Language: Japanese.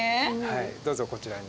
どうぞこちらに。